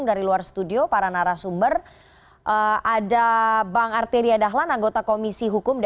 atas waktunya kita sudah dapatkan poinnya